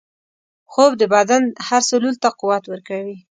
خوب د بدن هر سلول ته قوت ورکوي